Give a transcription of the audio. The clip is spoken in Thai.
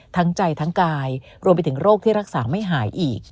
ทั้งใจทั้งกายรวมไปถึงโรคที่รักษาไม่หายอีก